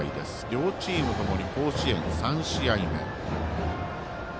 両チームともに甲子園３試合目。